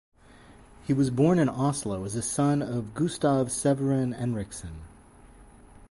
He was born in Oslo as a son of Gustav Severin Henriksen.